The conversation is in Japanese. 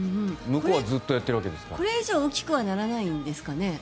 これ以上大きくはならないんですかね。